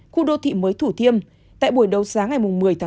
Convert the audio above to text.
khu đô thị mới thủ thiêm tại buổi đấu giá ngày một mươi một mươi hai